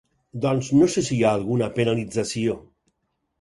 Doncs no sé si hi ha alguna penalització.